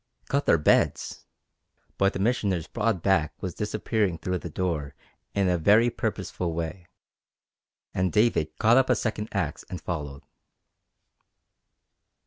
Cut their beds! But the Missioner's broad back was disappearing through the door in a very purposeful way, and David caught up a second axe and followed.